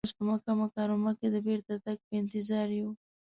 اوس په مکه مکرمه کې د بیرته تګ په انتظار یو.